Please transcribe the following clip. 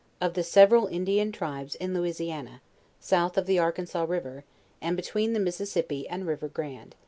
Of the several Indian, tribes in Louisiana, south of ihe Ar kansas river, and between the Mississippi and river Grand.